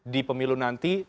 di pemilu nanti